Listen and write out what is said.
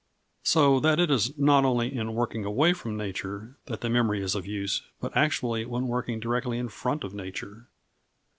So that it is not only in working away from nature that the memory is of use, but actually when working directly in front of nature.